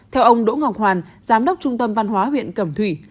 theo ông đỗ ngọc hoàn giám đốc trung tâm văn hóa huyện cẩm thủy